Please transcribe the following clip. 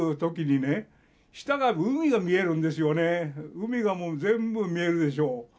海がもう全部見えるでしょう。